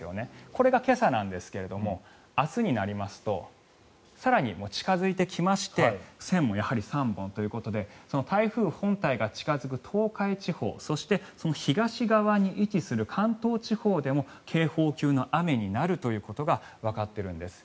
これが今朝なんですが明日になりますと更に近付いてきまして線もやはり３本ということで台風本体が近付く東海地方そしてその東側に位置する関東地方でも警報級の雨になるということがわかっているんです。